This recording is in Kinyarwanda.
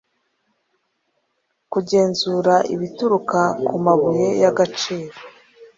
kugenzura ibituruka ku mabuye y agaciro